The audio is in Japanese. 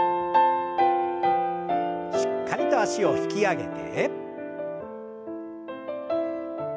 しっかりと脚を引き上げて。